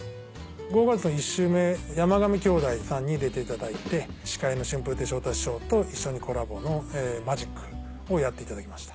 ５月の１週目山上兄弟さんに出ていただいて司会の春風亭昇太師匠と一緒にコラボのマジックをやっていただきました。